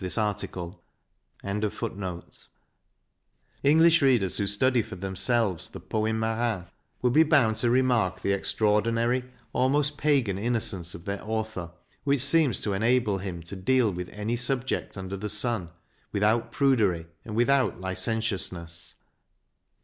l English readers who study for themselves the " Poemes Manns " will be bound to remark the extra ordinary, almost pagan innocence of their author, which seems to enable him to deal with any subject under the sun without prudery and without licentious ness.